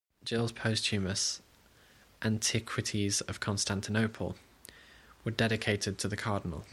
Gilles' posthumous "Antiquities of Constantinople" were dedicated to the Cardinal.